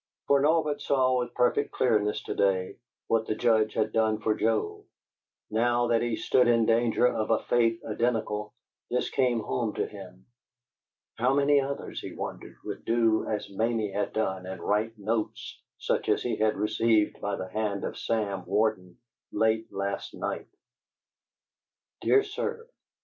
For Norbert saw with perfect clearness to day what the Judge had done for Joe. Now that he stood in danger of a fate identical, this came home to him. How many others, he wondered, would do as Mamie had done and write notes such as he had received by the hand of Sam Warden, late last night? "DEAR SIR."